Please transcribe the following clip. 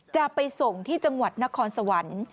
จะไปส่งที่จังหวัดนครสวรรค์